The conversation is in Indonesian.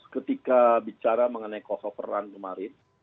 ketika bicara mengenai kos operan kemarin